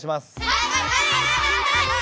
はい！